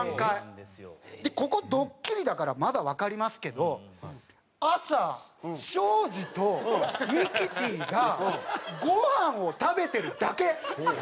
ここドッキリだからまだわかりますけど朝庄司とミキティがえっ朝食？